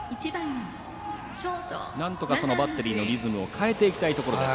なんとかそのバッテリーのリズムを変えていきたいところです。